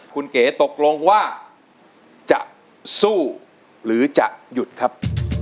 คุณเก๋ตกลงว่าจะสู้หรือจะหยุดครับ